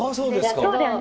そうだよね。